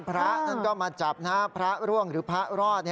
พระท่านก็มาจับพระร่วงหรือพระรอด